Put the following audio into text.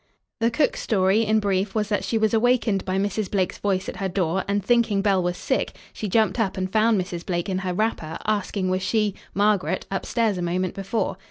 The cook's story, in brief, was that she was awakened by Mrs. Blake's voice at her door and, thinking Belle was sick, she jumped up and found Mrs. Blake in her wrapper, asking was she, Margaret, up stairs a moment before.